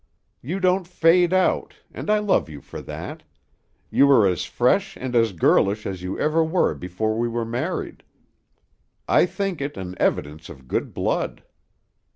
You don't fade out, and I love you for that; you are as fresh and as girlish as you ever were before we were married. I think it an evidence of good blood."